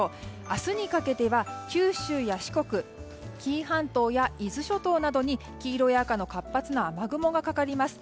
明日にかけては九州や四国紀伊半島や伊豆諸島などに黄色や赤の活発な雨雲がかかります。